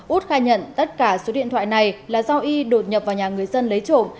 út khai nhận tất cả số điện thoại này là do y đột nhập vào nhà người dân lấy trộm